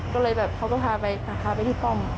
ก็เลยแบบเขาก็พาไปพาไปที่ป้อม